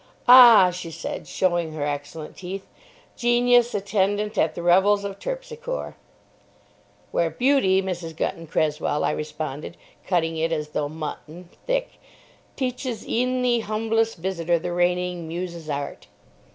"Ah," she said, showing her excellent teeth, "Genius attendant at the revels of Terpsichore." "Where Beauty, Mrs. Gunton Cresswell," I responded, cutting it, as though mutton, thick, "teaches e'en the humblest visitor the reigning Muse's art."